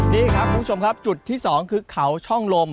นี่ครับคุณผู้ชมครับจุดที่๒คือเขาช่องลม